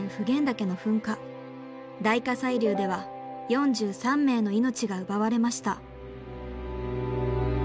大火砕流では４３名の命が奪われました。